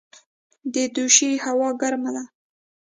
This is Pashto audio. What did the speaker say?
د دوشي هوا ګرمه ده